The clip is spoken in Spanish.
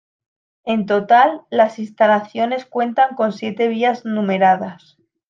En total las instalaciones cuentan con siete vías numeradas.